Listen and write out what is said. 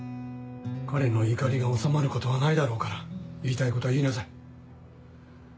彼の怒りが収まることはないだろうから言いたいことを言いなさい。